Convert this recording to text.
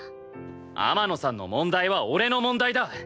天野さんの問題は俺の問題だ。